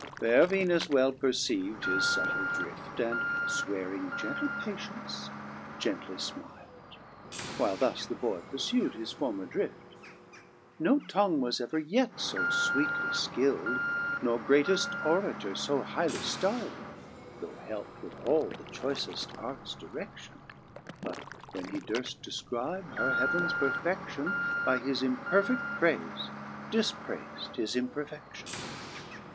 Faire Venus well perceiv'd his fubtile fhift. And, fwearing gentle patience, gently fmil'd, While thus the boy perfu'd his former drift :^' No tongue was ever yet fo fweetly ikil'd, Nor greateft orator fo highly ftil'd, Though helpt with all the choiceft artes diredion, But when he durft defcribe her heaven's perfedlion. By his imperfedt praife difprais'd his imperfedtion.